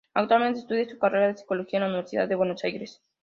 Actualmente estudia la carrera de psicología en la Universidad de Buenos Aires.